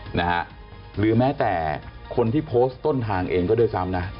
หรือแม้แต่คนที่โพสต์ต้นทางเองก็ด้วยซ้ำนะ